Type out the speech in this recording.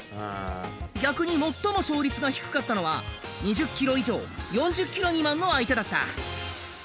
逆に最も勝率が低かったのは２０キロ以上４０キロ未満の相手だった。